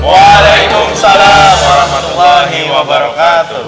waalaikumsalam warahmatullahi wabarakatuh